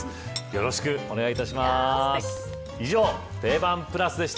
よろしくお願いします。